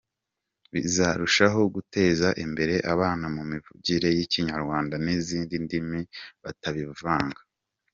Bizarushaho guteza imbere abana mu mivugire y’Ikinyarwanda n’izindi ndimi batabivanga.